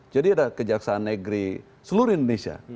jadi ada kejaksaan negeri di seluruh indonesia